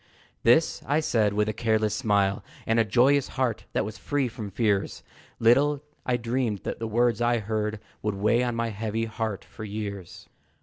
This I said with a careless smile, And a joyous heart that was free from fears; Little I dreamed that the words I heard Would weigh on my heavy heart for years.